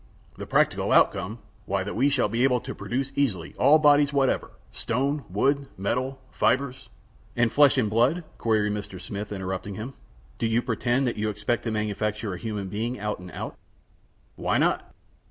"The practical outcome? Why, that we shall be able to produce easily all bodies whatever stone, wood, metal, fibers " "And flesh and blood?" queried Mr. Smith, interrupting him. "Do you pretend that you expect to manufacture a human being out and out?" "Why not?"